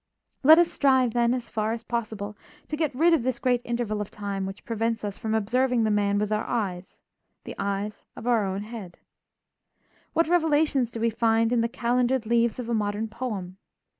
Let us strive then, as far as possible, to get rid of this great interval of time which prevents us from observing the man with our eyes, the eyes of our own head. What revelations do we find in the calendared leaves of a modern poem?